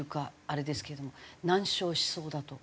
あれですけれども何勝しそうだと？